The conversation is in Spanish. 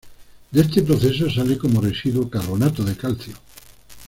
De este proceso, sale como residuo carbonato de calcio.